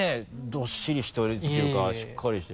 どっしりしてるっていうかしっかりして。